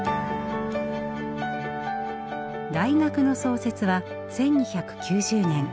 大学の創設は１２９０年。